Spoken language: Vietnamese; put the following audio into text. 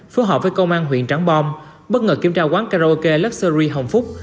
phối hợp với công an huyện trắng bom bất ngờ kiểm tra quán karaoke luxury hồng phúc